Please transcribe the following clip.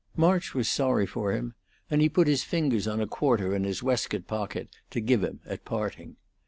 March was sorry for him, and he put his fingers on a quarter in his waistcoat pocket to give him at parting.